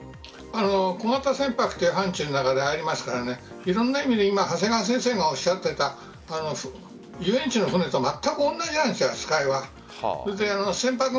小型船舶という範ちゅうの中でありますからいろんな意味で長谷川先生がおっしゃっていた遊園地の船とまったく同じなんです、扱いは。